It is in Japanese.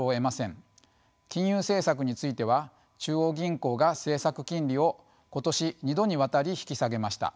金融政策については中央銀行が政策金利を今年２度にわたり引き下げました。